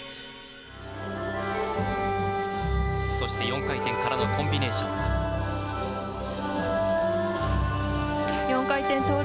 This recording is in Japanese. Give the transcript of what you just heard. そして４回転からのコンビネーション。